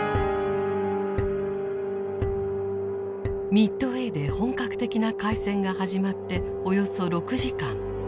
ミッドウェーで本格的な海戦が始まっておよそ６時間。